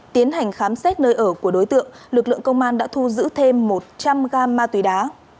tiến hành khám xét nơi ở của đối tượng lực lượng công an đã thu giữ thêm một trăm linh g ma túy đá